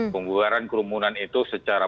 pengubaharan kerumunan itu secara